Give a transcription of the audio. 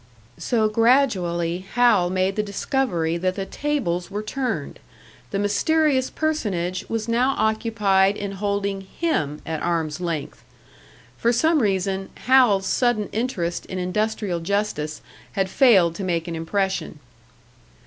So, gradually, Hal made the discovery that the tables were turned the mysterious personage was now occupied in holding him at arm's length! For some reason, Hal's sudden interest in industrial justice had failed to make an impression.